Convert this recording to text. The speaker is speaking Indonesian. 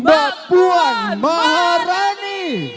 mbak puan maharani